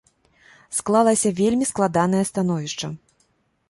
Склалася вельмі складанае становішча.